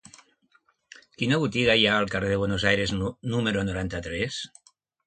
Quina botiga hi ha al carrer de Buenos Aires número noranta-tres?